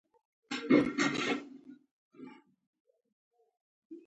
د هویت د بحث پرځای باید په وطن کې فرصتونه برابر کړو.